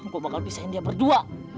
gua bakal pisahin dia berdua